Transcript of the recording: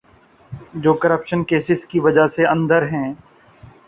جو corruption cases کی وجہ سے اندر ہیں۔